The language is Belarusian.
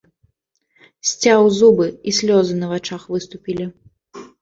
Сцяў зубы, і слёзы на вачах выступілі.